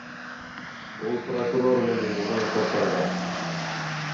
— Ул прокурормы ни, унан ҡурҡырға.